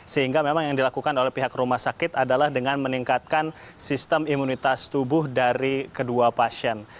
sehingga memang yang dilakukan oleh pihak rumah sakit adalah dengan meningkatkan sistem imunitas tubuh dari kedua pasien